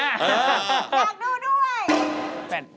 อยากดูด้วย